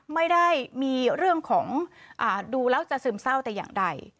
ไม่ได้มีเรื่องของดูแล้วจะซึมเศร้าแต่อย่างใด